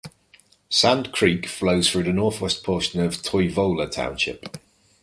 Sand Creek flows through the northwest portion of Toivola Township.